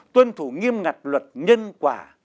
tuân thủ nghiêm ngặt luật nhân quả